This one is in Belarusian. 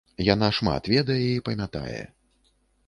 Яна шмат ведае і памятае.